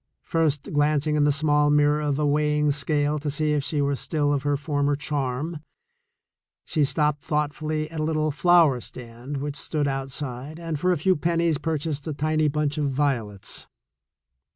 First glancing in the small mirror of a weighing scale to see if she were still of her former charm, she stopped thoughtfully at a little flower stand which stood outside, and for a few pen nies purchased a tiny bunch of violets.